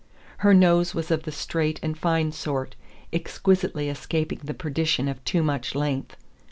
Her nose was of the straight and fine sort, exquisitely escaping the perdition of too much length.